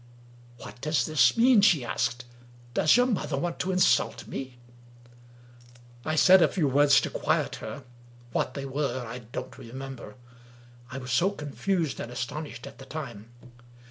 "What does this mean?" she asked. "Does your mother want to insult me? " I said a few words to quiet her; what they were I don't remember — I was so confused and astonished at the time.